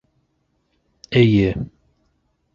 Эйе